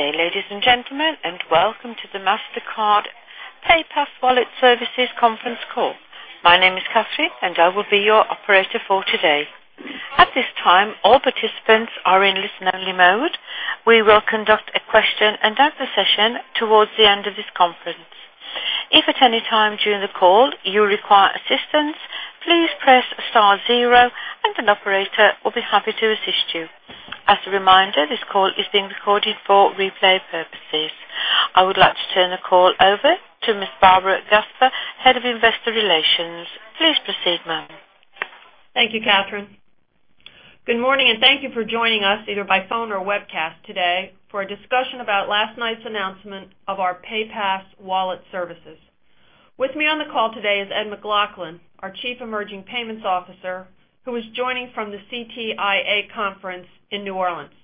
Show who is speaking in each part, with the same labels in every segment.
Speaker 1: Good day, ladies and gentlemen, and welcome to the Mastercard PayPass Wallet Services Conference Call. My name is Kathryn, and I will be your operator for today. At this time, all participants are in listen-only mode. We will conduct a question and answer session towards the end of this conference. If at any time during the call you require assistance, please press star zero, and an operator will be happy to assist you. As a reminder, this call is being recorded for replay purposes. I would like to turn the call over to Ms. Barbara Gasper, Head of Investor Relations. Please proceed, ma'am.
Speaker 2: Thank you, Kathryn. Good morning, and thank you for joining us, either by phone or webcast today, for a discussion about last night's announcement of our PayPass Wallet Services. With me on the call today is Ed McLaughlin, our Chief Emerging Payments Officer, who is joining from the CTIA Conference in New Orleans.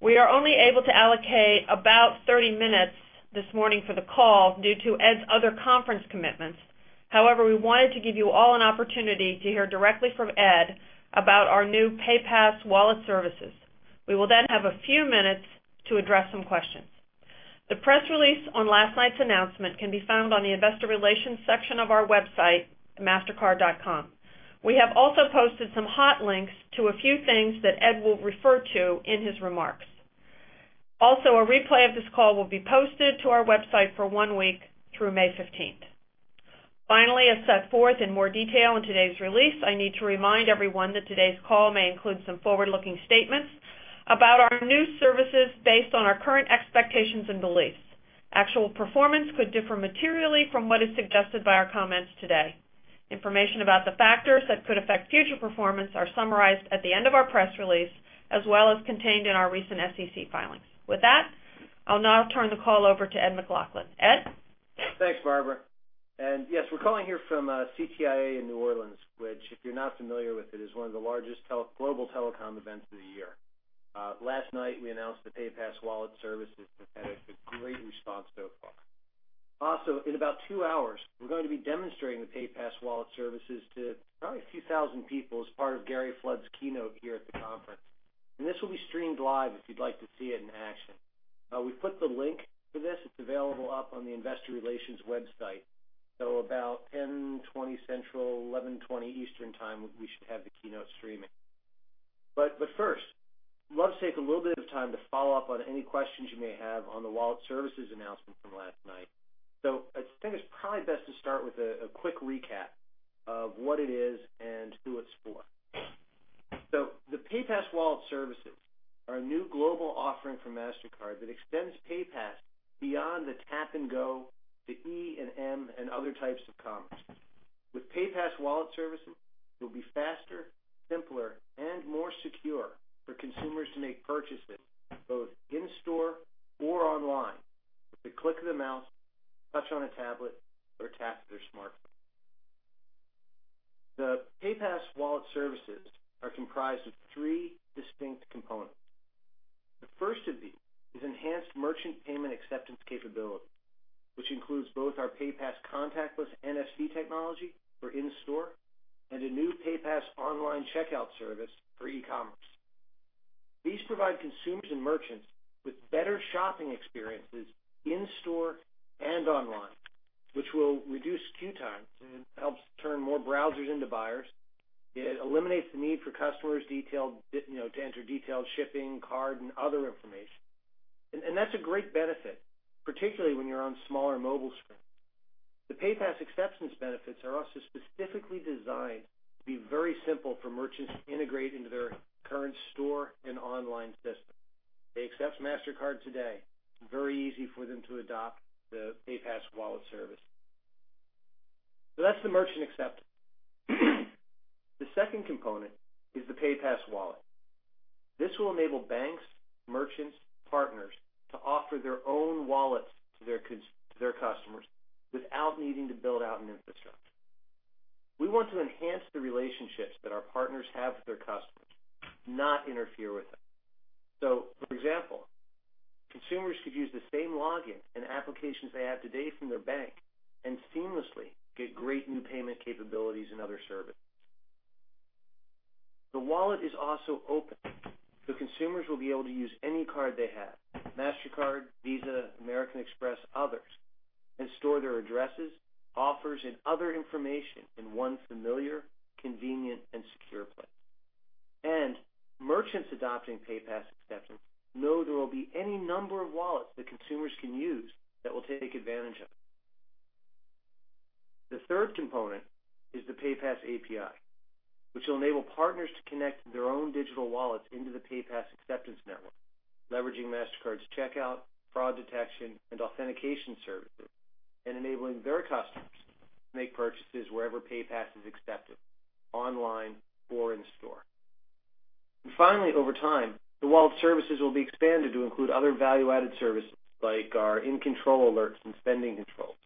Speaker 2: We are only able to allocate about 30 minutes this morning for the call due to Ed's other conference commitments. However, we wanted to give you all an opportunity to hear directly from Ed about our new PayPass Wallet Services. We will then have a few minutes to address some questions. The press release on last night's announcement can be found on the Investor Relations section of our website, mastercard.com. We have also posted some hot links to a few things that Ed will refer to in his remarks. Also, a replay of this call will be posted to our website for one week through May 15th. Finally, as set forth in more detail in today's release, I need to remind everyone that today's call may include some forward-looking statements about our new services based on our current expectations and beliefs. Actual performance could differ materially from what is suggested by our comments today. Information about the factors that could affect future performance are summarized at the end of our press release, as well as contained in our recent SEC filings. With that, I'll now turn the call over to Ed McLaughlin. Ed?
Speaker 3: Thanks, Barbara. Yes, we're calling here from CTIA in New Orleans, which, if you're not familiar with it, is one of the largest global telecom events of the year. Last night, we announced the PayPass Wallet Services and had a great response so far. Also, in about two hours, we're going to be demonstrating the PayPass Wallet Services to probably a few thousand people as part of Gary Flood's keynote here at the conference. This will be streamed live if you'd like to see it in action. We put the link for this. It's available up on the Investor Relations website. At about 10:20 A.M. Central, 11:20 A.M. Eastern Time, we should have the keynote streaming. First, I'd love to take a little bit of time to follow up on any questions you may have on the Wallet Services announcement from last night. I think it's probably best to start with a quick recap of what it is and who it's for. The PayPass Wallet Services are a new global offering from Mastercard that extends PayPass beyond the tap and go, the E and M, and other types of commerce. With PayPass Wallet Services, it will be faster, simpler, and more secure for consumers to make purchases both in-store or online with the click of the mouse, touch on a tablet, or tap their smartphone. The PayPass Wallet Services are comprised of three distinct components. The first of these is enhanced merchant payment acceptance capability, which includes both our PayPass contactless NFC technology for in-store and a new PayPass online checkout service for e-commerce. These provide consumers and merchants with better shopping experiences in-store and online, which will reduce queue times and help turn more browsers into buyers. It eliminates the need for customers to enter detailed shipping, card, and other information. That's a great benefit, particularly when you're on smaller mobile screens. The PayPass acceptance benefits are also specifically designed to be very simple for merchants to integrate into their current store and online system. If they accept Mastercard today, it's very easy for them to adopt the PayPass Wallet Service. That's the merchant acceptance. The second component is the PayPass Wallet. This will enable banks, merchants, and partners to offer their own wallets to their customers without needing to build out an infrastructure. We want to enhance the relationships that our partners have with their customers, not interfere with them. For example, consumers could use the same login and applications they have today from their bank and seamlessly get great new payment capabilities and other services. The wallet is also open, so consumers will be able to use any card they have—Mastercard, Visa, American Express, others—and store their addresses, offers, and other information in one familiar, convenient, and secure place. Merchants adopting PayPass acceptance know there will be any number of wallets that consumers can use that will take advantage of it. The third component is the PayPass API, which will enable partners to connect their own digital wallets into the PayPass acceptance network, leveraging Mastercard's checkout, fraud detection, and authentication services, and enabling their customers to make purchases wherever PayPass is accepted, online or in store. Over time, the Wallet Services will be expanded to include other value-added services like our in-control alerts and spending controls,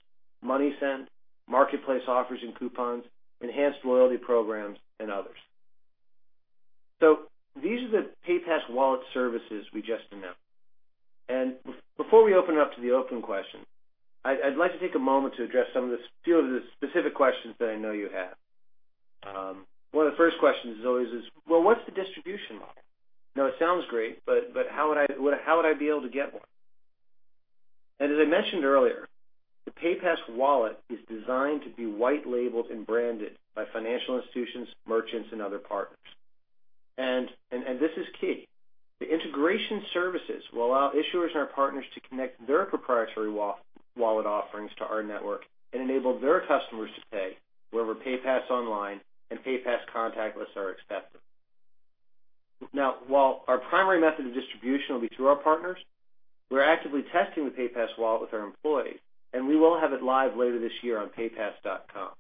Speaker 3: money sends, marketplace offers and coupons, enhanced loyalty programs, and others. These are the PayPass Wallet Services we just announced. Before we open up to the open questions, I'd like to take a moment to address some of the specific questions that I know you have. One of the first questions is always, "What's the distribution model?" It sounds great, but how would I be able to get one? As I mentioned earlier, the PayPass Wallet is designed to be white-labeled and branded by financial institutions, merchants, and other partners. This is key. The integration services will allow issuers and our partners to connect their proprietary wallet offerings to our network and enable their customers to pay wherever PayPass online and PayPass contactless are accepted. While our primary method of distribution will be through our partners, we're actively testing the PayPass Wallet with our employees, and we will have it live later this year on paypass.com.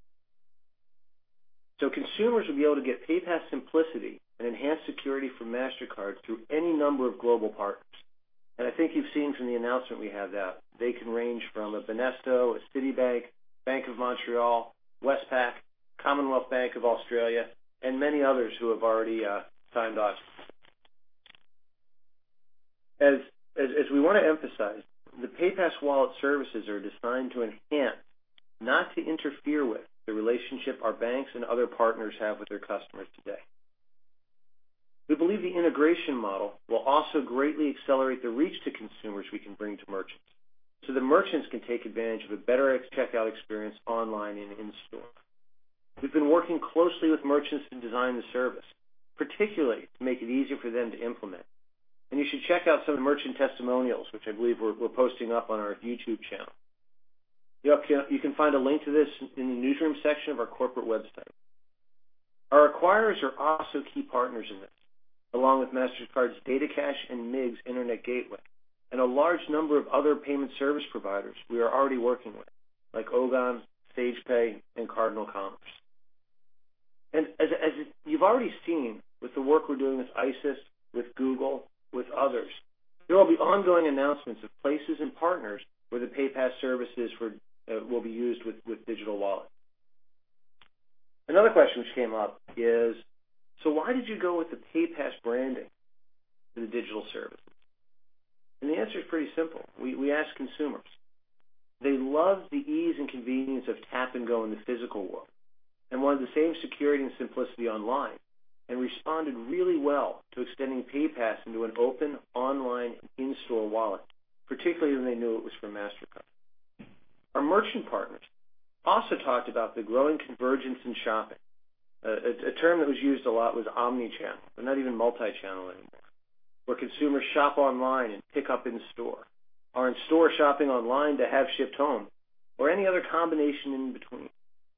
Speaker 3: Consumers will be able to get PayPass simplicity and enhanced security from Mastercard through any number of global partners. I think you've seen from the announcement we have that they can range from a Banesto, a Citibank, Bank of Montreal, Westpac, Commonwealth Bank of Australia, and many others who have already signed up. As we want to emphasize, the PayPass Wallet Services are designed to enhance, not to interfere with, the relationship our banks and other partners have with their customers today. We believe the integration model will also greatly accelerate the reach to consumers we can bring to merchants, so that merchants can take advantage of a better checkout experience online and in-store. We've been working closely with merchants to design the service, particularly to make it easier for them to implement. You should check out some of the merchant testimonials, which I believe we're posting up on our YouTube channel. You can find a link to this in the newsroom section of our corporate website. Our acquirers are also key partners in this, along with Mastercard's DataCash and MiGS Internet Gateway and a large number of other payment service providers we are already working with, like Ogone, Stagepay, and CardinalCommerce. As you've already seen with the work we're doing with ISIS, with Google, with others, there will be ongoing announcements of places and partners where the PayPass services will be used with digital wallets. Another question which came up is, "So why did you go with the PayPass branding for the digital service?" The answer is pretty simple. We asked consumers. They love the ease and convenience of tap and go in the physical world and wanted the same security and simplicity online and responded really well to extending PayPass into an open online in-store wallet, particularly when they knew it was for Mastercard. Our merchant partners also talked about the growing convergence in shopping. A term that was used a lot was omnichannel, not even multichannel anymore, where consumers shop online and pick up in-store or in-store shopping online to have shipped home or any other combination in between,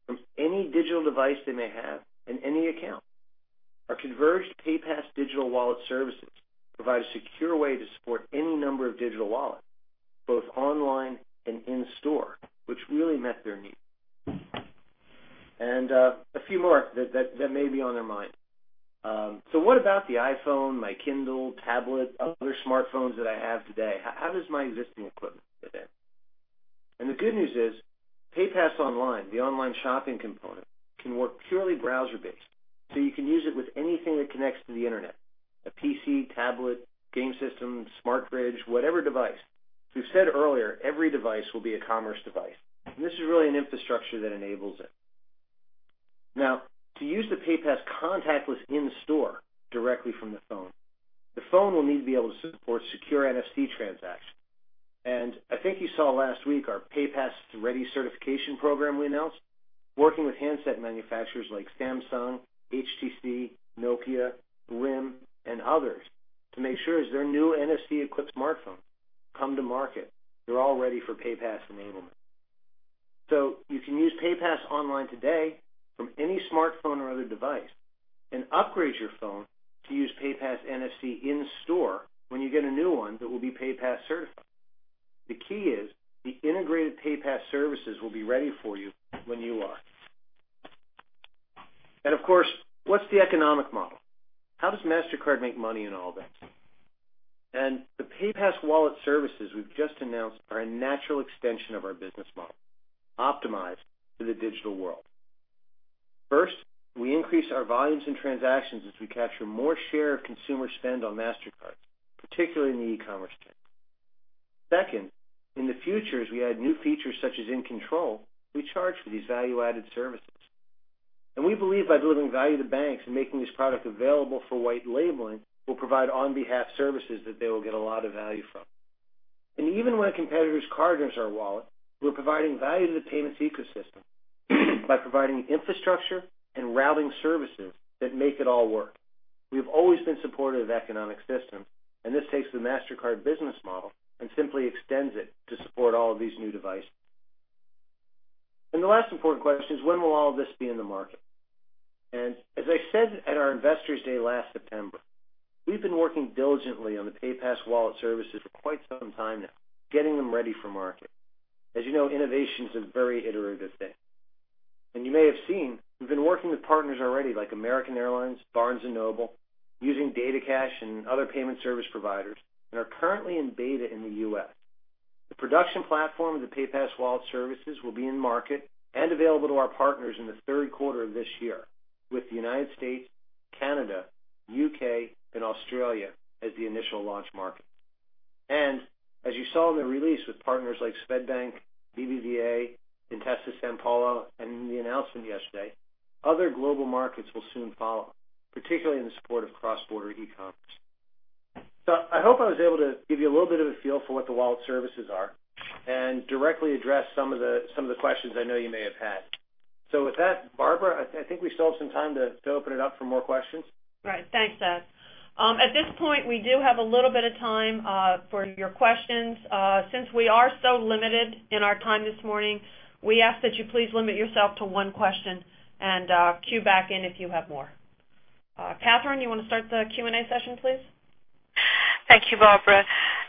Speaker 3: from any digital device they may have and any account. Our converged PayPass digital wallet services provide a secure way to support any number of digital wallets, both online and in-store, which really met their needs. A few more that may be on their mind. What about the iPhone, my Kindle, tablet, other smartphones that I have today? How does my existing equipment fit in? The good news is PayPass online, the online shopping component, can work purely browser-based. You can use it with anything that connects to the Internet: a PC, tablet, game system, smart fridge, whatever device. We've said earlier, every device will be a commerce device. This is really an infrastructure that enables it. Now, to use the PayPass contactless in-store directly from the phone, the phone will need to be able to support secure NFC transactions. I think you saw last week our PayPass Ready certification program we announced, working with handset manufacturers like Samsung, HTC, Nokia, RIM, and others to make sure as their new NFC-equipped smartphones come to market, they're all ready for PayPass enablement. You can use PayPass online today from any smartphone or other device and upgrade your phone to use PayPass NFC in-store when you get a new one that will be PayPass certified. The key is the integrated PayPass services will be ready for you when you are. Of course, what's the economic model? How does Mastercard make money in all this? The PayPass Wallet Services we've just announced are a natural extension of our business model, optimized for the digital world. First, we increase our volumes and transactions as we capture more share of consumer spend on Mastercard, particularly in the e-commerce space. Second, in the future, as we add new features such as in-control, we charge for these value-added services. We believe by delivering value to banks and making this product available for white labeling, we'll provide on-behalf services that they will get a lot of value from. Even when a competitor's card is in our wallet, we're providing value to the payments ecosystem by providing infrastructure and routing services that make it all work. We've always been supportive of economic systems, and this takes the Mastercard business model and simply extends it to support all of these new devices. The last important question is, when will all of this be in the market? As I said at our Investors Day last September, we've been working diligently on the PayPass Wallet Services for quite some time now, getting them ready for market. As you know, innovation is a very iterative thing. You may have seen, we've been working with partners already like American Airlines, Barnes & Noble, using DataCash and other payment service providers and are currently in beta in the U.S. The production platform of the PayPass Wallet Services will be in market and available to our partners in the third quarter of this year with the United States, Canada, United Kingdom, and Australia as the initial launch market. As you saw in the release with partners like Swedbank, BBVA, Intesa Sanpaolo, and in the announcement yesterday, other global markets will soon follow, particularly in the support of cross-border e-commerce. I hope I was able to give you a little bit of a feel for what the Wallet Services are and directly address some of the questions I know you may have had. With that, Barbara, I think we still have some time to open it up for more questions.
Speaker 2: Right. Thanks, Ed. At this point, we do have a little bit of time for your questions. Since we are so limited in our time this morning, we ask that you please limit yourself to one question and cue back in if you have more. Kathryn, you want to start the Q&A session, please?
Speaker 1: Thank you, Barbara.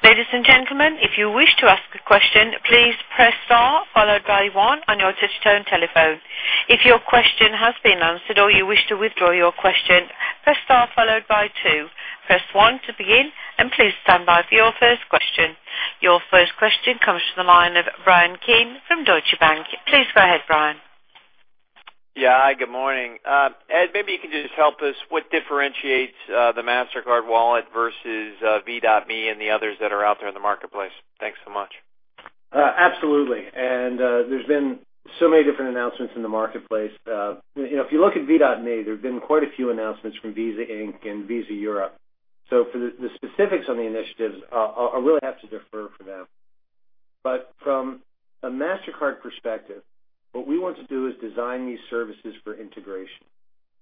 Speaker 1: Ladies and gentlemen, if you wish to ask a question, please press star followed by one on your digital telephone. If your question has been answered or you wish to withdraw your question, press star followed by two. Press one to begin, and please stand by for your first question. Your first question comes from the line of Brian Keane from Deutsche Bank. Please go ahead, Brian.
Speaker 4: Yeah. Hi, good morning. Ed, maybe you could just help us. What differentiates the Mastercard Wallet versus V.me and the others that are out there in the marketplace? Thanks so much.
Speaker 3: Absolutely. There have been so many different announcements in the marketplace. If you look at V.me, there have been quite a few announcements from Visa Inc. and Visa Europe. For the specifics on the initiatives, I really have to defer to them. From a Mastercard perspective, what we want to do is design these services for integration.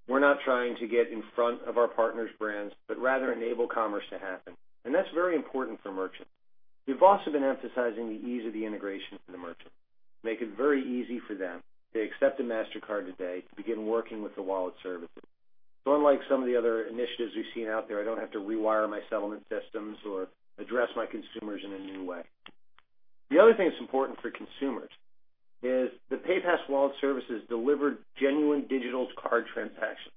Speaker 3: We're not trying to get in front of our partners' brands, but rather enable commerce to happen. That is very important for merchants. We've also been emphasizing the ease of the integration for the merchant. Make it very easy for them to accept a Mastercard today to begin working with the Wallet Services. Unlike some of the other initiatives we've seen out there, I don't have to rewire my settlement systems or address my consumers in a new way. The other thing that's important for consumers is the PayPass Wallet Services deliver genuine digital card transactions.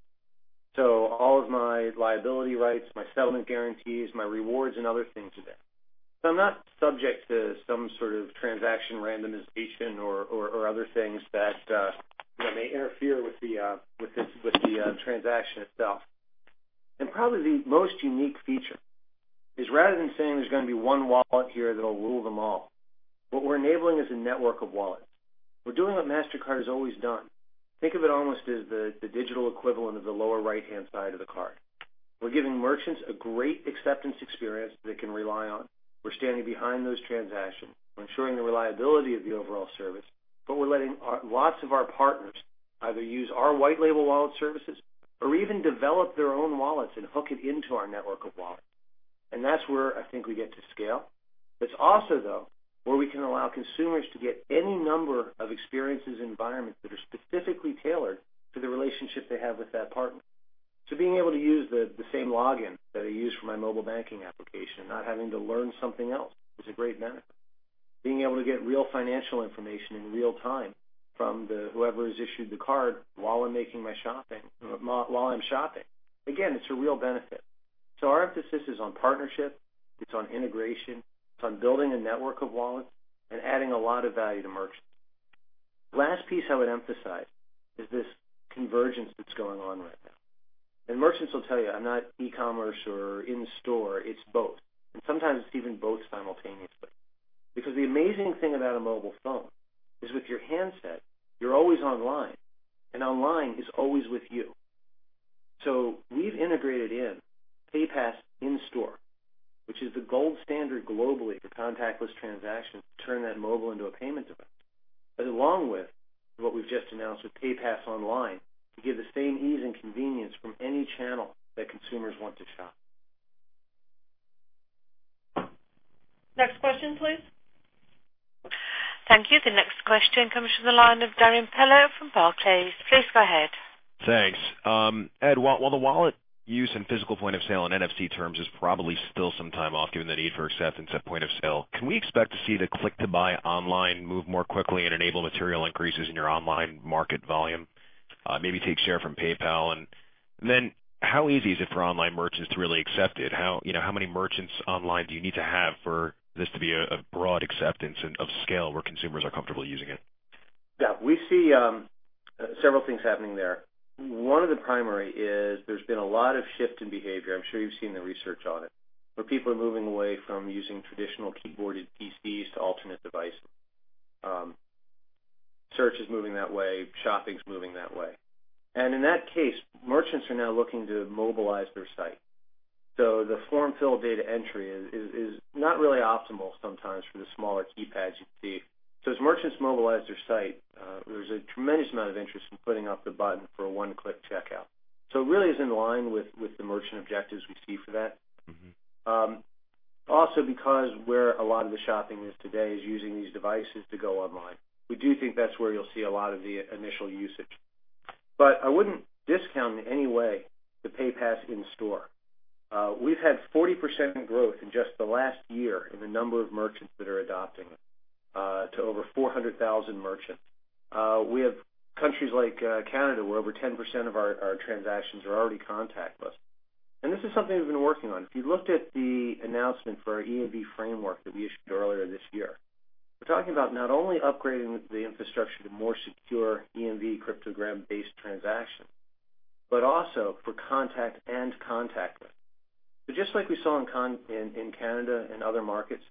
Speaker 3: All of my liability rights, my settlement guarantees, my rewards, and other things to them. I'm not subject to some sort of transaction randomization or other things that may interfere with the transaction itself. Probably the most unique feature is rather than saying there's going to be one wallet here that will rule them all, what we're enabling is a network of wallets. We're doing what Mastercard has always done. Think of it almost as the digital equivalent of the lower right-hand side of the card. We're giving merchants a great acceptance experience that they can rely on. We're standing behind those transactions, ensuring the reliability of the overall service, but we're letting lots of our partners either use our white-label Wallet Services or even develop their own wallets and hook it into our network of wallets. That's where I think we get to scale. It's also where we can allow consumers to get any number of experiences and environments that are specifically tailored to the relationship they have with that partner. Being able to use the same login that I use for my mobile banking application and not having to learn something else is a great benefit. Being able to get real financial information in real time from whoever has issued the card while I'm shopping, again, it's a real benefit. Our emphasis is on partnership. It's on integration. It's on building a network of wallets and adding a lot of value to merchants. The last piece I would emphasize is this convergence that's going on right now. Merchants will tell you, "I'm not e-commerce or in-store. It's both." Sometimes it's even both simultaneously because the amazing thing about a mobile phone is with your handset, you're always online, and online is always with you. We've integrated in PayPass in-store, which is the gold standard globally for contactless transactions to turn that mobile into a payment device, along with what we've just announced with PayPass online to give the same ease and convenience from any channel that consumers want to shop.
Speaker 2: Next question, please.
Speaker 1: Thank you. The next question comes from the line of Darrin Peller from Barclays. Please go ahead.
Speaker 5: Thanks. Ed, while the wallet use and physical point of sale in NFC terms is probably still some time off given the need for acceptance at point of sale, can we expect to see the click-to-buy online move more quickly and enable material increases in your online market volume? Maybe take share from PayPal. How easy is it for online merchants to really accept it? How many merchants online do you need to have for this to be a broad acceptance of scale where consumers are comfortable using it?
Speaker 3: Yeah. We see several things happening there. One of the primary is there's been a lot of shift in behavior. I'm sure you've seen the research on it, where people are moving away from using traditional keyboarded PCs to alternate devices. Search is moving that way. Shopping is moving that way. In that case, merchants are now looking to mobilize their site. The form-filled data entry is not really optimal sometimes for the smaller keypads you see. As merchants mobilize their site, there's a tremendous amount of interest in putting up the button for a one-click checkout. It really is in line with the merchant objectives we see for that. Also, because where a lot of the shopping is today is using these devices to go online, we do think that's where you'll see a lot of the initial usage. I wouldn't discount in any way the PayPass in-store. We've had 40% growth in just the last year in the number of merchants that are adopting it to over 400,000 merchants. We have countries like Canada where over 10% of our transactions are already contactless. This is something we've been working on. If you looked at the announcement for our EMV framework that we issued earlier this year, we're talking about not only upgrading the infrastructure to more secure EMV cryptogram-based transactions, but also for contact and contactless. Just like we saw in Canada and other markets,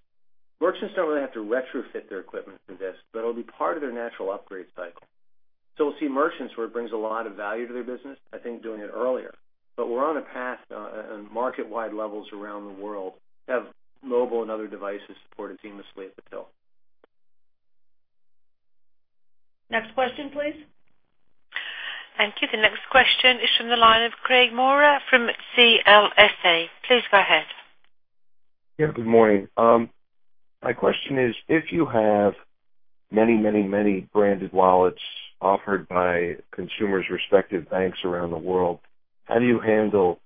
Speaker 3: merchants don't really have to retrofit their equipment for this, but it'll be part of their natural upgrade cycle. We'll see merchants where it brings a lot of value to their business, I think, doing it earlier. We're on a path on market-wide levels around the world to have mobile and other devices supported seamlessly at the point of sale.
Speaker 2: Next question, please.
Speaker 1: Thank you. The next question is from the line of Craig Maurer from CLSA. Please go ahead.
Speaker 6: Yeah. Good morning. My question is, if you have many, many, many branded wallets offered by consumers' respective banks around the world, how do you handle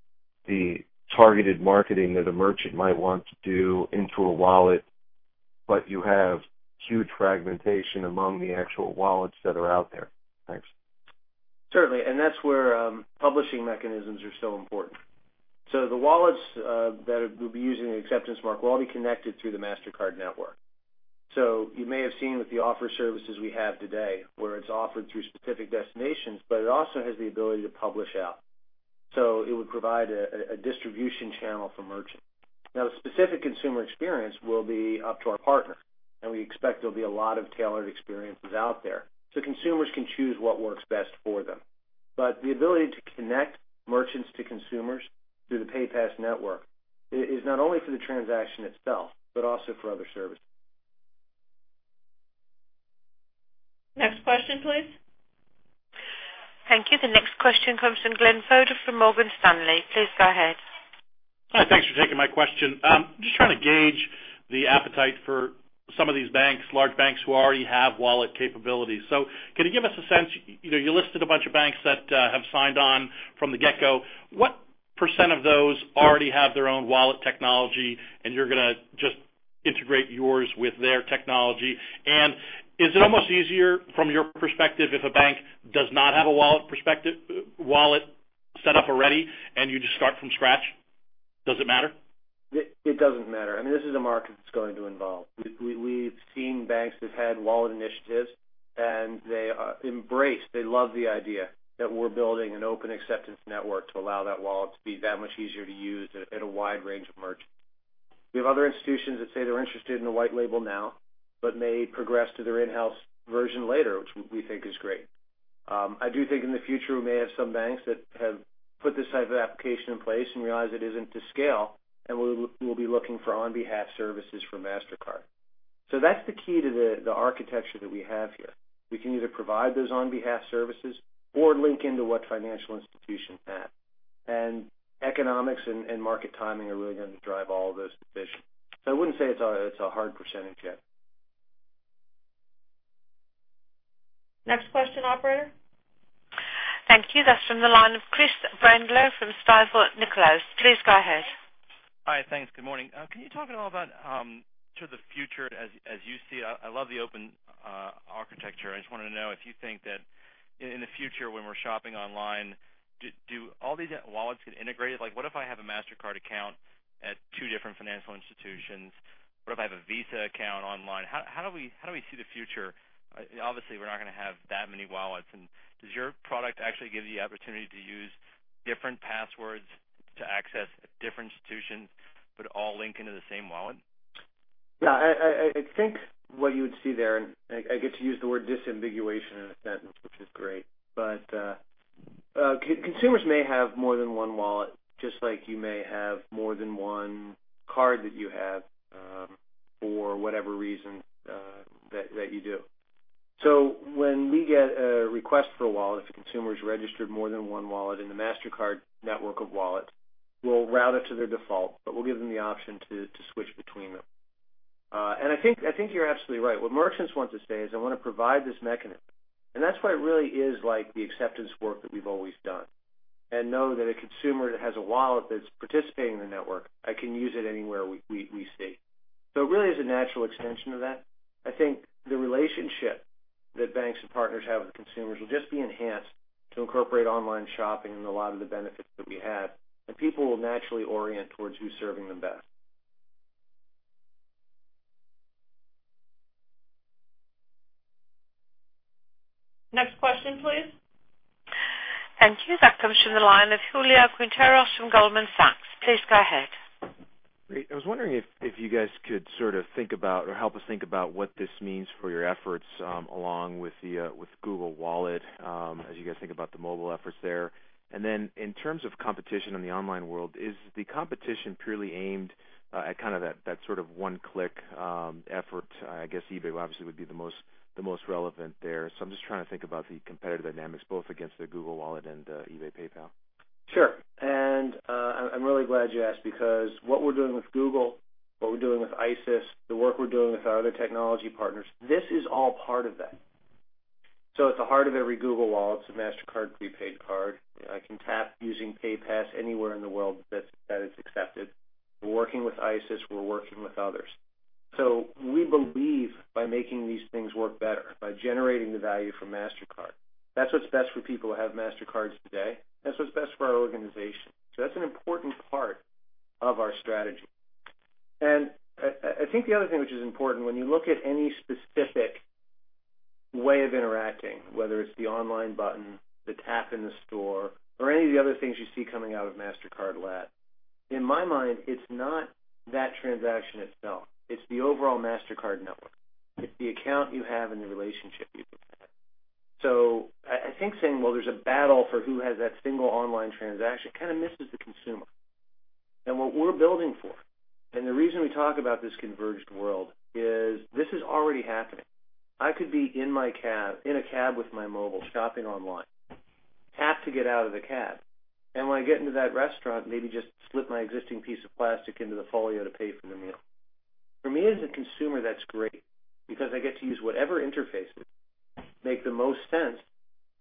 Speaker 6: the targeted marketing that a merchant might want to do into a wallet, but you have huge fragmentation among the actual wallets that are out there? Thanks.
Speaker 3: Certainly. That's where publishing mechanisms are so important. The wallets that we'll be using in acceptance market will all be connected through the Mastercard network. You may have seen with the offer services we have today where it's offered through specific destinations, but it also has the ability to publish out. It would provide a distribution channel for merchants. The specific consumer experience will be up to our partners, and we expect there'll be a lot of tailored experiences out there so consumers can choose what works best for them. The ability to connect merchants to consumers through the PayPass network is not only for the transaction itself but also for other services.
Speaker 2: Next question, please.
Speaker 1: Thank you. The next question comes from Glenn Fodor from Morgan Stanley. Please go ahead.
Speaker 7: Hi. Thanks for taking my question. I'm just trying to gauge the appetite for some of these large banks who already have wallet capabilities. Can you give us a sense? You listed a bunch of banks that have signed on from the get-go. What percent of those already have their own wallet technology and you're going to just integrate yours with their technology? Is it almost easier from your perspective if a bank does not have a wallet set up already and you just start from scratch? Does it matter?
Speaker 3: It doesn't matter. I mean, this is a market that's going to evolve. We've seen banks that have had wallet initiatives, and they embrace it. They love the idea that we're building an open acceptance network to allow that wallet to be that much easier to use at a wide range of merchants. We have other institutions that say they're interested in the white label now but may progress to their in-house version later, which we think is great. I do think in the future we may have some banks that have put this type of application in place and realize it isn't to scale and will be looking for on-behalf services from Mastercard. That's the key to the architecture that we have here. We can either provide those on-behalf services or link into what financial institutions have. Economics and market timing are really going to drive all of those decisions. I wouldn't say it's a hard percentage yet.
Speaker 2: Next question, operator.
Speaker 1: Thank you. That's from the line of Chris Brendler from Stifel Nicolaus. Please go ahead.
Speaker 8: Hi. Thanks. Good morning. Can you talk at all about sort of the future as you see it? I love the open architecture. I just wanted to know if you think that in the future when we're shopping online, do all these wallets get integrated? Like what if I have a Mastercard account at two different financial institutions? What if I have a Visa account online? How do we see the future? Obviously, we're not going to have that many wallets. Does your product actually give you the opportunity to use different passwords to access at different institutions but all link into the same wallet?
Speaker 3: Yeah. I think what you would see there, and I get to use the word disambiguation in a sense of the fifth grade, but consumers may have more than one wallet just like you may have more than one card that you have for whatever reason that you do. When we get a request for a wallet, if a consumer's registered more than one wallet in the Mastercard network of wallets, we'll route it to their default, but we'll give them the option to switch between them. I think you're absolutely right. What merchants want to say is, "I want to provide this mechanism." That is why it really is like the acceptance work that we've always done. Know that a consumer that has a wallet that's participating in the network, I can use it anywhere we see. It really is a natural extension of that.I think the relationship that banks and partners have with the consumers will just be enhanced to incorporate online shopping and a lot of the benefits that we have. People will naturally orient towards who's serving them best.
Speaker 2: Next question, please.
Speaker 1: Thank you. That comes from the line of Julio Quinteros from Goldman Sachs. Please go ahead.
Speaker 9: Great. I was wondering if you guys could sort of think about or help us think about what this means for your efforts along with Google Wallet as you guys think about the mobile efforts there. In terms of competition in the online world, is the competition purely aimed at kind of that sort of one-click effort? I guess eBay obviously would be the most relevant there. I'm just trying to think about the competitive dynamics both against the Google Wallet and eBay PayPal.
Speaker 3: Sure. I'm really glad you asked because what we're doing with Google, what we're doing with ISIS, the work we're doing with our other technology partners, this is all part of that. At the heart of every Google Wallet is a Mastercard prepaid card. I can tap using PayPass anywhere in the world that it's accepted. We're working with ISIS. We're working with others. We believe by making these things work better, by generating the value from Mastercard, that's what's best for people who have Mastercards today. That's what's best for our organization. That's an important part of our strategy. I think the other thing which is important when you look at any specific way of interacting, whether it's the online button, the tap in the store, or any of the other things you see coming out of Mastercard LAT, in my mind, it's not that transaction itself. It's the overall Mastercard network. It's the account you have and the relationship you can have. I think saying, "There's a battle for who has that single online transaction," kind of misses the consumer. What we're building for, and the reason we talk about this converged world, is this is already happening. I could be in a cab with my mobile, shopping online, have to get out of the cab. When I get into that restaurant, maybe just slip my existing piece of plastic into the folio to pay for the meal. For me, as a consumer, that's great because I get to use whatever interfaces make the most sense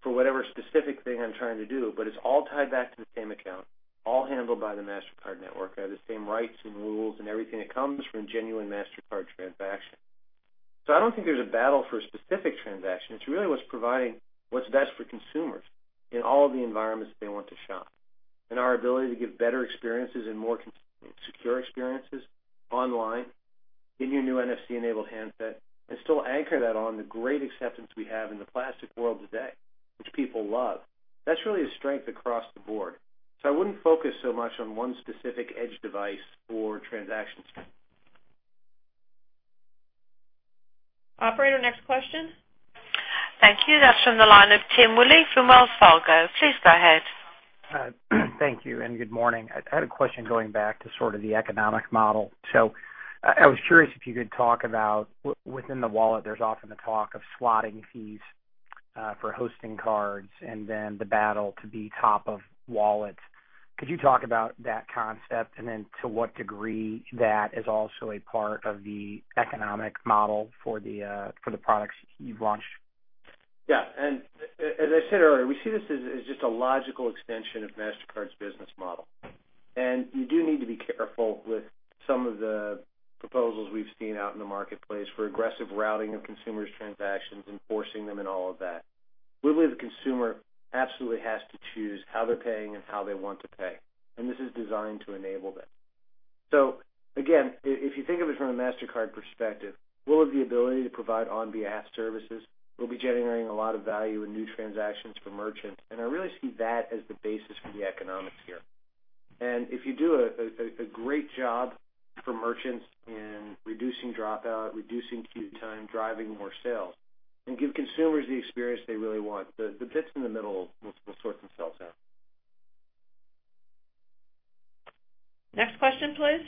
Speaker 3: for whatever specific thing I'm trying to do. It's all tied back to the same account, all handled by the Mastercard network. I have the same rights and rules and everything that comes from genuine Mastercard transactions. I don't think there's a battle for a specific transaction. It's really what's providing what's best for consumers in all of the environments that they want to shop. Our ability to give better experiences and more secure experiences online in your new NFC-enabled handset and still anchor that on the great acceptance we have in the plastic world today, which people love, is really a strength across the board. I wouldn't focus so much on one specific edge device for transactions.
Speaker 2: Operator, next question.
Speaker 1: Thank you. That's from the line of Tim Willi from Wells Fargo. Please go ahead.
Speaker 10: Thank you. Good morning. I had a question going back to sort of the economic model. I was curious if you could talk about within the wallet, there's often the talk of slotting fees for hosting cards and then the battle to be top of wallet. Could you talk about that concept and to what degree that is also a part of the economic model for the products you've launched?
Speaker 3: As I said earlier, we see this as just a logical extension of Mastercard's business model. You do need to be careful with some of the proposals we've seen out in the marketplace for aggressive routing of consumers' transactions and forcing them and all of that. We believe the consumer absolutely has to choose how they're paying and how they want to pay. This is designed to enable that. If you think of it from a Mastercard perspective, we'll have the ability to provide on-behalf services. We'll be generating a lot of value in new transactions for merchants. I really see that as the basis for the economic scale. If you do a great job for merchants in reducing dropout, reducing queue time, driving more sales, and give consumers the experience they really want, the bits in the middle will sort themselves out.
Speaker 2: Next question, please.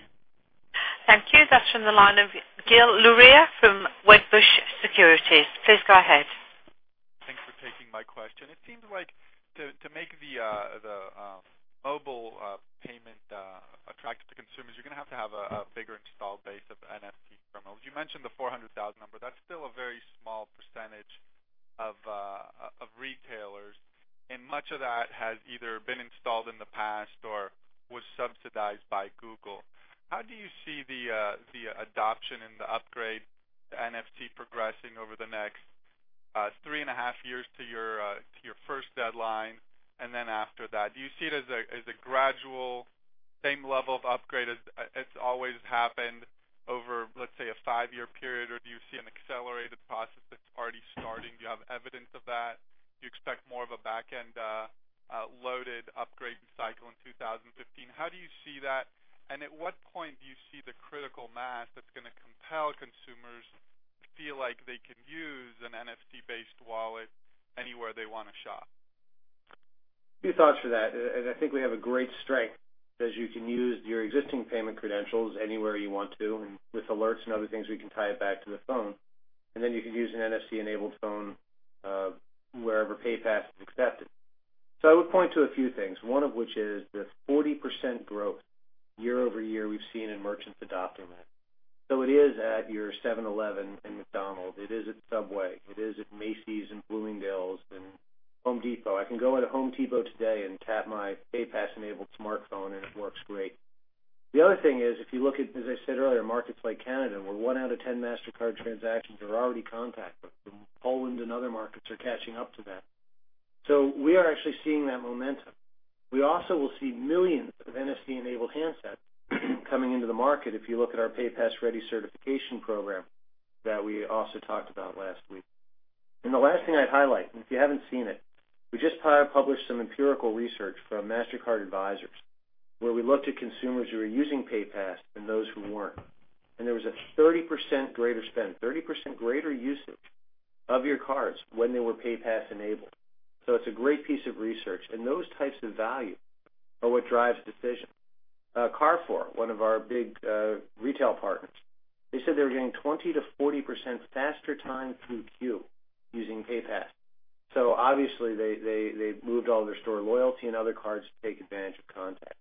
Speaker 1: Thank you. That's from the line of Gil Luria from Wedbush Securities. Please go ahead.
Speaker 11: Thank you for taking my question. It seems like to make the mobile payment attractive to consumers, you're going to have to have a bigger installed base of NFC terminals. You mentioned the 400,000 number. That's still a very small percentage of retailers. Much of that has either been installed in the past or was subsidized by Google. How do you see the adoption and the upgrade to NFC progressing over the next three and a half years to your first deadline? After that, do you see it as a gradual same level of upgrade as it's always happened over, let's say, a five-year period? Do you see an accelerated process that's already starting? Do you have evidence of that? Do you expect more of a backend-loaded upgrade cycle in 2015? How do you see that? At what point do you see the critical mass that's going to compel consumers to feel like they can use an NFC-based wallet anywhere they want to shop?
Speaker 3: A few thoughts for that. I think we have a great strength as you can use your existing payment credentials anywhere you want to. With alerts and other things, we can tie it back to the phone. You can use an NFC-enabled phone wherever PayPass is accepted. I would point to a few things, one of which is the 40% growth year-over-year we've seen in merchants adopting that. It is at your 7-Eleven and McDonald's. It is at Subway. It is at Macy's and Bloomingdale's and Home Depot. I can go into Home Depot today and tap my PayPass-enabled smartphone, and it works great. The other thing is if you look at, as I said earlier, markets like Canada where 1/10 Mastercard transactions are already contactless, Poland and other markets are catching up to that. We are actually seeing that momentum. We also will see millions of NFC-enabled handsets coming into the market if you look at our PayPass Ready certification program that we also talked about last week. The last thing I'd highlight, if you haven't seen it, we just published some empirical research from Mastercard Advisors where we looked at consumers who were using PayPass and those who weren't. There was a 30% greater spend, 30% greater usage of your cards when they were PayPass-enabled. It's a great piece of research. Those types of value are what drives decision. Carrefour, one of our big retail partners, said they were getting 20%-40% faster time through queue using PayPass. Obviously, they've moved all their store loyalty and other cards to take advantage of contactless.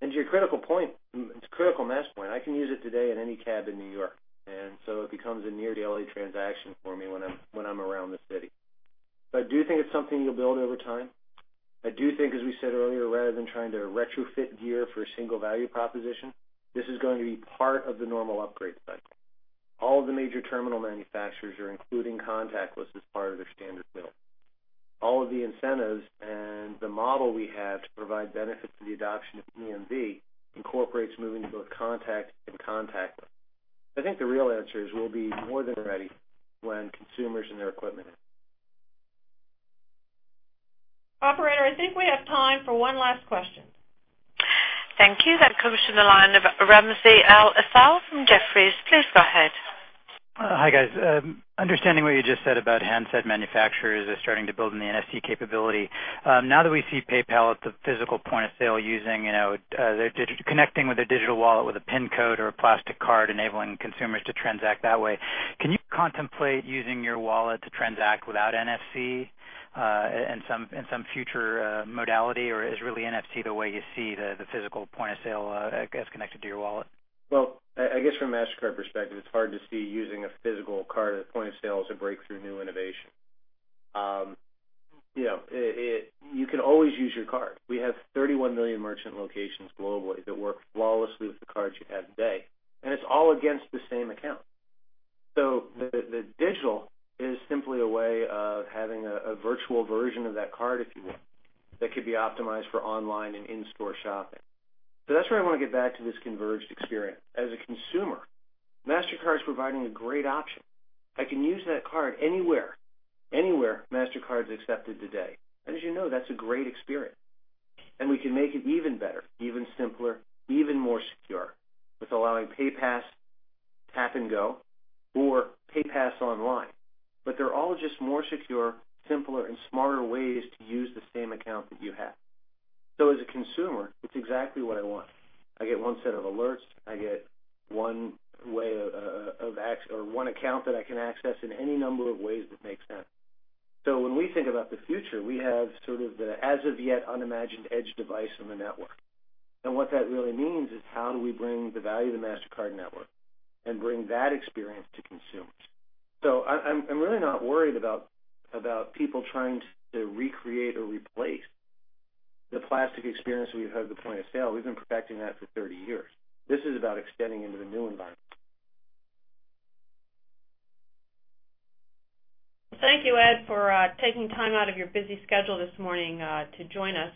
Speaker 3: To your critical point, it's a critical mass point. I can use it today in any cab in New York. It becomes a near-daily transaction for me when I'm around the city. I do think it's something you'll build over time. I do think, as we said earlier, rather than trying to retrofit gear for a single value proposition, this is going to be part of the normal upgrade cycle. All of the major terminal manufacturers are including contactless as part of their standard build. All of the incentives and the model we have to provide benefit to the adoption of EMV incorporates moving to both contact and contactless. I think the real answer is we'll be more than ready when consumers and their equipment have.
Speaker 2: Operator, I think we have time for one last question.
Speaker 1: Thank you. That comes from the line of Ramsey El-Assal from Jefferies. Please go ahead.
Speaker 12: Hi, guys. Understanding what you just said about handset manufacturers that are starting to build in the NFC capability, now that we see PayPal at the physical point of sale using connecting with a digital wallet with a PIN code or a plastic card, enabling consumers to transact that way, can you contemplate using your wallet to transact without NFC in some future modality, or is really NFC the way you see the physical point of sale as connected to your wallet?
Speaker 3: From a Mastercard perspective, it's hard to see using a physical card at the point of sale as a breakthrough new innovation. You can always use your card. We have 31 million merchant locations globally that work flawlessly with the cards you have today, and it's all against the same account. The digital is simply a way of having a virtual version of that card, if you will, that could be optimized for online and in-store shopping. That's where I want to get back to this converged experience. As a consumer, Mastercard is providing a great option. I can use that card anywhere, anywhere Mastercard is accepted today. As you know, that's a great experience, and we can make it even better, even simpler, even more secure with allowing PayPass tap and go or PayPass online. They're all just more secure, simpler, and smarter ways to use the same account that you have. As a consumer, it's exactly what I want. I get one set of alerts. I get one way of access or one account that I can access in any number of ways that make sense. When we think about the future, we have sort of the as-of-yet unimagined edge device on the network. What that really means is how do we bring the value of the Mastercard network and bring that experience to consumers? I'm really not worried about people trying to recreate or replace the plastic experience we've had at the point of sale. We've been perfecting that for 30 years. This is about extending into the new environment.
Speaker 2: Thank you, Ed, for taking time out of your busy schedule this morning to join us.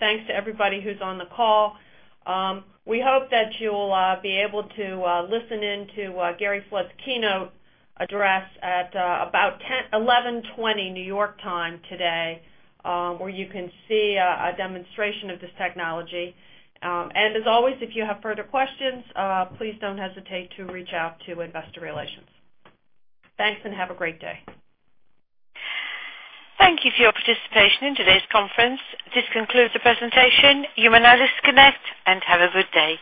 Speaker 2: Thanks to everybody who's on the call. We hope that you'll be able to listen in to Gary Flood's keynote address at about 11:20 A.M. New York time today, where you can see a demonstration of this technology. As always, if you have further questions, please don't hesitate to reach out to Investor Relations. Thanks and have a great day.
Speaker 1: Thank you for your participation in today's conference. This concludes the presentation. You may now disconnect and have a good day.